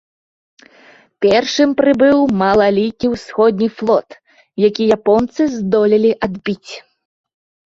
Першым прыбыў малалікі ўсходні флот, які японцы здолелі адбіць.